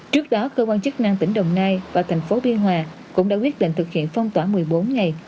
trước đó cơ quan chức năng tỉnh đồng nai và thành phố biên hòa cũng đã quyết định thực hiện phong tỏa một mươi bốn ngày